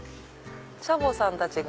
チャボさんたちが。